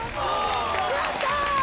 やったー！